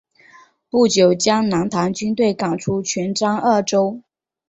不久将南唐军队赶出泉漳二州。